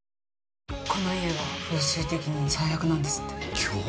この家は風水的に最悪なんですって。